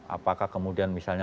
apakah kemudian misalnya